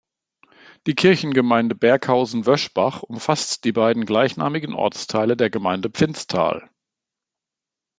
Die Kirchengemeinde Berghausen-Wöschbach umfasst die beiden gleichnamigen Ortsteile der Gemeinde Pfinztal.